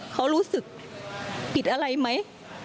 เขารู้สึกผิดอะไรไหม